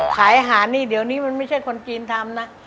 ขายอาหารนี่เดี๋ยวนี้มันไม่ใช่คนจีนทำนะ